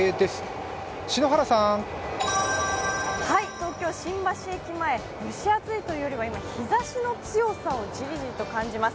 東京・新橋駅前、蒸し暑いというよりは、日ざしの強さをジリジリと感じます。